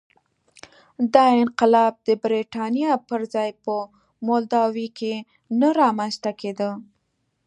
دا انقلاب د برېټانیا پر ځای په مولداوي کې نه رامنځته کېده.